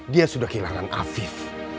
dia sudah kehilangan afif